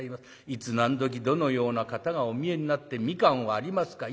いつ何どきどのような方がお見えになって『蜜柑はありますか』